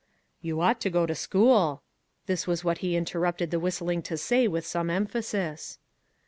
" You ought to go to school." This was what he interrupted the whistling to say with some emphasis.